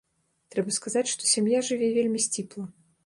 Трэба сказаць, што сям'я жыве вельмі сціпла.